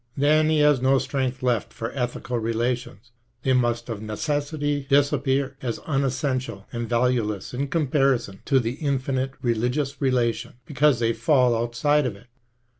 Then he has no strength left for ethical relations, they must of necessity disappear, as unessential and valueless in comparison to the infinite religious relation, because they fall outside of it.